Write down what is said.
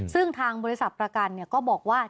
ซึ่งทางบริษัทประกันก็บอกว่า